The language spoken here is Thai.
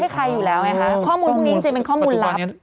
ให้ใครอยู่แล้วไหมคะข้อมูลคุณจริงเป็นข้อมูลรับอ๋อ